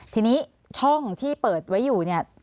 ทีนี้ช่องที่เปิดไว้อยู่เนี่ย